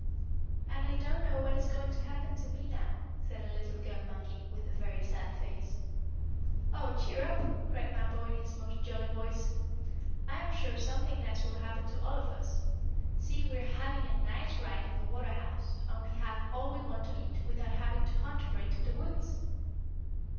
"And I don't know what is going to happen to me now," said a little girl monkey, with a very sad face. "Oh, cheer up!" cried Mappo, in his most jolly voice. "I am sure something nice will happen to all of us. See, we are having a nice ride in the water house, and we have all we want to eat, without having to hunt for it in the woods."